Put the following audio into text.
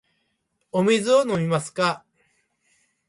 お水を飲みますか。